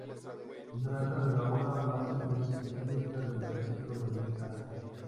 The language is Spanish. Se trata de la obra más impresionista del maestro gaditano.